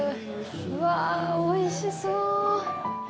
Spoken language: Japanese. うわあ、おいしそう。